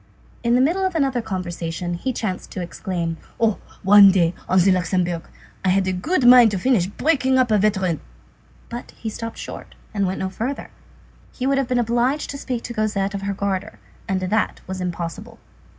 In the middle of another conversation, he chanced to exclaim:— "Oh! One day, at the Luxembourg, I had a good mind to finish breaking up a veteran!" But he stopped short, and went no further. He would have been obliged to speak to Cosette of her garter, and that was impossible.